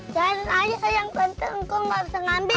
dan ayah yang penting kok gak usah ngambil